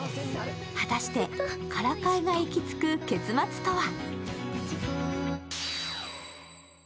果たして、からかいが行き着く結末とは？